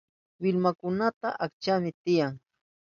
Willmankunaka achkami tiyan.